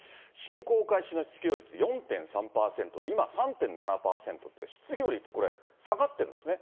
侵攻開始の失業率４．３％で、今、３．７％で、失業率これ、下がってるんですね。